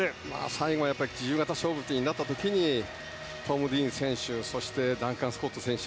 最後自由形勝負になった時にトム・ディーン選手ダンカン・スコット選手